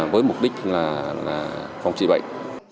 với mục đích là phòng trị bệnh